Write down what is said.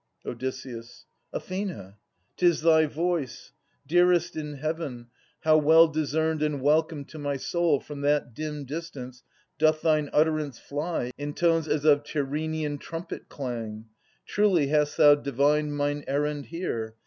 Odysseus. Athena, 'tis thy voice ! Dearest in heaven. How well discerned and welcome to my soul From that dim distance doth thine utterance fly In tones as of Tyrrhenian trumpet clang ! Truly hast thou divined mine errand here.